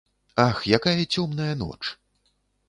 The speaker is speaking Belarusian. Ах, якая цёмная ноч.